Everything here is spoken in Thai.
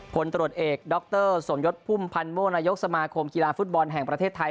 ผลตรวจเอกดรสมยศพุ่มพันธ์โมนายกสมาคมกีฬาฟุตบอลแห่งประเทศไทย